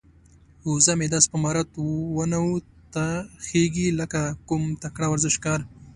وزه مې داسې په مهارت ونو ته خيږي لکه کوم تکړه ورزشکار.